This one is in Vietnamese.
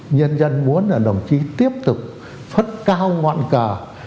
nhân dân muốn là đồng chí tiếp tục phất cao ngọn cờ